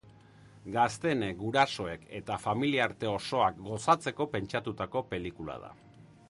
Gazteenek, gurasoek eta familiarte osoak gozatzeko pentsatutako pelikula da.